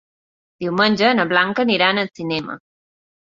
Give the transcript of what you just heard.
Diumenge na Blanca irà al cinema.